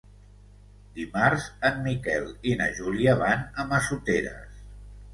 Dimarts en Miquel i na Júlia van a Massoteres.